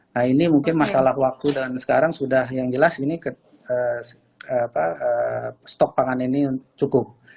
nah ini mungkin masalah waktu dan sekarang sudah yang jelas ini stok pangan ini cukup